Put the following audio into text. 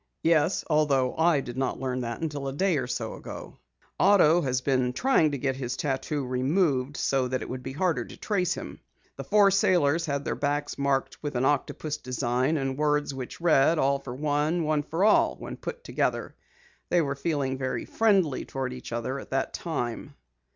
"Yes, although I did not learn that until a day or so ago. Otto has been trying to get his tattoo removed so that it would be harder to trace him. The four sailors had their backs marked with an octopus design and words which read, All for one, one for all, when put together. They were feeling very friendly toward each other at that time."